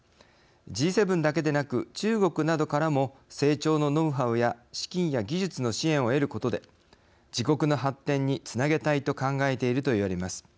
Ｇ７だけでなく中国などからも成長のノウハウや資金や技術の支援を得ることで自国の発展につなげたいと考えているといわれます。